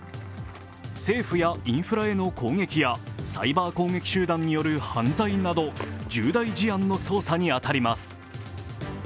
政府やインフラへの攻撃やサイバー攻撃集団による犯罪など重大事案の捜査に当たります。